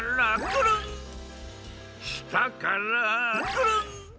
したからくるん！